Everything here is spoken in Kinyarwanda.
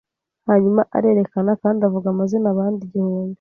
Hanyuma arerekana kandi avuga amazina abandi igihumbi